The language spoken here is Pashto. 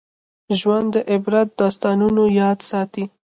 ژوندي د عبرت داستانونه یاد ساتي